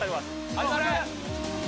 ・始まる！